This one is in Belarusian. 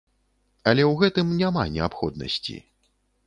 Але ў гэтым няма неабходнасці.